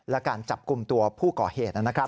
และการจับกลุ่มตัวผู้ก่อเหตุนะครับ